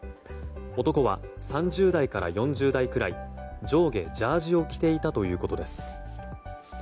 男は３０代から４０代くらい上下ジャージーを着ていたということです。